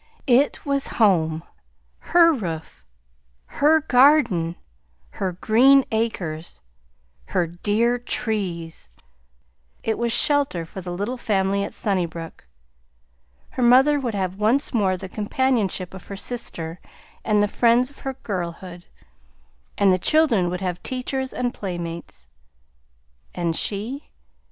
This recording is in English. It was home; her roof, her garden, her green acres, her dear trees; it was shelter for the little family at Sunnybrook; her mother would have once more the companionship of her sister and the friends of her girlhood; the children would have teachers and playmates. And she?